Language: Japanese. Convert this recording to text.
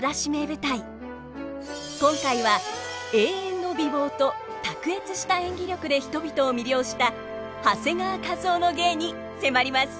今回は永遠の美貌と卓越した演技力で人々を魅了した長谷川一夫の芸に迫ります。